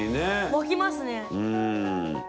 湧きますね。